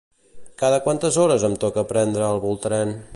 Cada quantes hores em toca prendre el Voltarén?